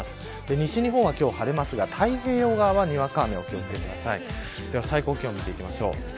西日本は今日晴れますが太平洋側はにわか雨にお気を付けください。では最高気温です。